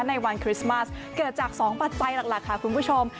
ในวันคริสต์มาสเกิดจากสองปัญญาไข่หลักค่ะคุณผู้ชม